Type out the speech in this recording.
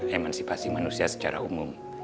emansipasi manusia secara umum